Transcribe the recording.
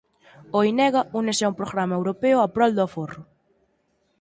O Inega únese a un programa europeo a prol do aforro